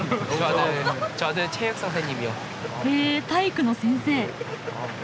へえ体育の先生。